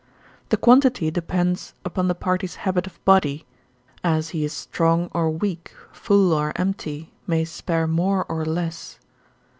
The quantity depends upon the party's habit of body, as he is strong or weak, full or empty, may spare more or less.